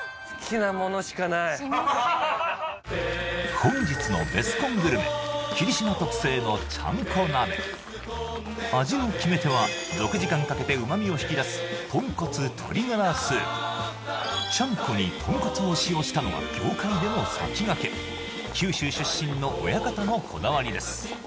本日のベスコングルメ霧島特製の味の決め手は６時間かけて旨みを引き出すちゃんこに豚骨を使用したのは業界でも先駆け九州出身の親方のこだわりです